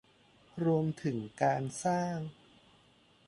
รวมถึงการสร้าง